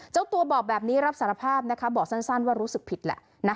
เจ้าตัวบอกแบบนี้รับสารภาพบอกสั้นว่ารู้สึกผิดแหละ